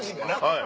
はい。